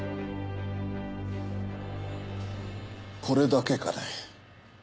これだけかね？